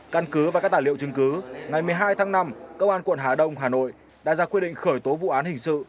căn cứ và các tài liệu chứng cứ ngày một mươi hai tháng năm công an quận hà đông hà nội đã ra quyết định khởi tố vụ án hình sự